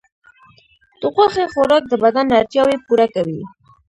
د غوښې خوراک د بدن اړتیاوې پوره کوي.